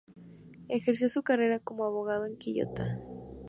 Ejerció su carrera como abogado en Quillota.